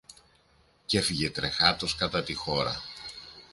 Κι έφυγε τρεχάτος κατά τη χώρα.